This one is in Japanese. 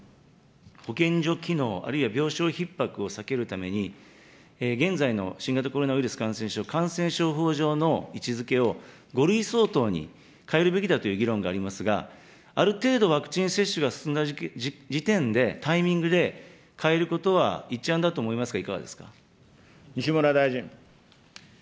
保健所機能、あるいは病床ひっ迫を避けるために、現在の新型コロナウイルス感染症、感染症法上の位置づけを、５類相当に変えるべきだという議論がありますが、ある程度、ワクチン接種が進んだ時点で、タイミングで、変えることは一案だと思いますが、いかが西村大臣。